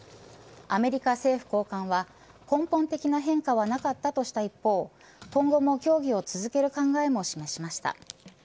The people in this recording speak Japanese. アメリカ政府高官は根本的な変化はなかったとした一方今後も協議を続ける考えも示しました。